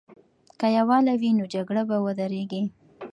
که یووالی وي، نو جګړه به ودریږي.